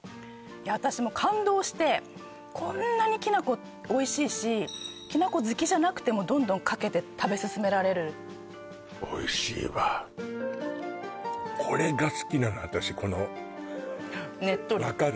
私も感動してこんなにきな粉おいしいしきな粉好きじゃなくてもどんどんかけて食べ進められるおいしいわ私このねっとり分かる？